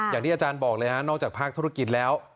อย่างที่อาจารย์บอกเลยฮะนอกจากภาคธุรกิจแล้ว